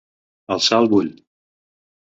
Alçar el bull.